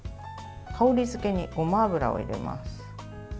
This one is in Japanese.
香り付けにごま油を入れます。